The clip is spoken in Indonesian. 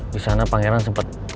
disana pangeran sempet